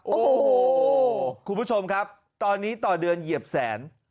โอ้โหคุณผู้ชมครับตอนนี้ต่อเดือนเหยียบแสน